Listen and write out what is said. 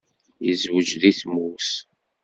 Yezweǧ deg tmurt?